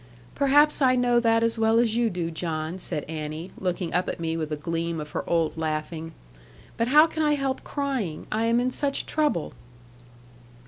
'Perhaps I know that as well as you do, John,' said Annie, looking up at me with a gleam of her old laughing: 'but how can I help crying; I am in such trouble.'